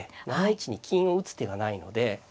７一に金を打つ手がないので。